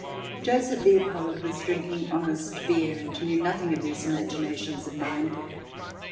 Joseph Leopold was drinking honest beer, and knew nothing of these imaginations of mine.